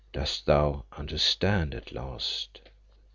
Dost thou understand at last?"